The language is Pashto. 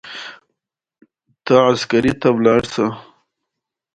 هر څه چې کرې هغه به ریبې